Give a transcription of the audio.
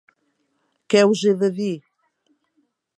Què us he de dir?